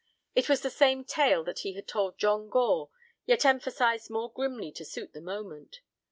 It was the same tale that he had told John Gore, yet emphasized more grimly to suit the moment.